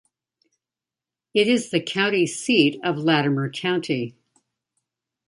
It is the county seat of Latimer County.